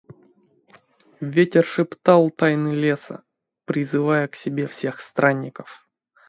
Ветер шептал тайны леса, призывая к себе всех странников.